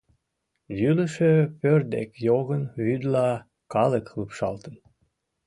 Йӱлышӧ пӧрт дек йогын вӱдла калык лупшалтын.